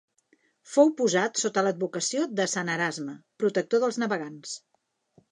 Fou posat sota l'advocació de Sant Erasme, protector dels navegants.